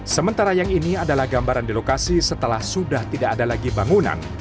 sementara yang ini adalah gambaran di lokasi setelah sudah tidak ada lagi bangunan